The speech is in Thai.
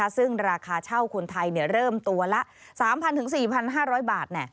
ซึ่งราคาเช่าคนไทยเริ่มตัวละ๓๐๐๔๕๐๐บาท